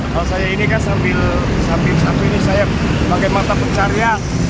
kalau saya ini kan sambil sapi sapi ini saya pakai mata pencarian